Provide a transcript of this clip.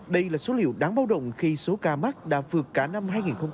đây là số liệu đáng báo động khi số ca mắc đã vượt cả năm hai nghìn một mươi chín